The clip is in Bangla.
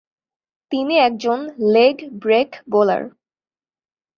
তিনি একজন লেগ ব্রেক বোলার।